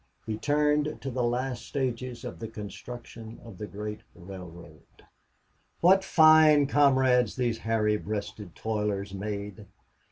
He turned to the last stages of the construction of the great railroad. What fine comrades these hairy breasted toilers made!